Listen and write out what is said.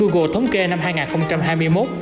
google thống kê năm hai nghìn hai mươi một